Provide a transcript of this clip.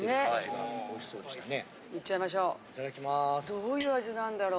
どういう味なんだろ。